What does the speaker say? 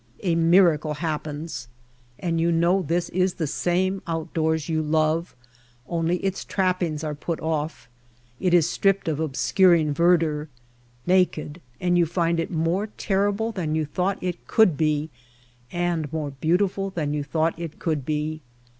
A miracle happens and you know this is the same outdoors you love, only its trappings are put off, it is stripped of obscuring verdure, naked, and you find it more terrible than you thought it could be and more beautiful than you thought it could be.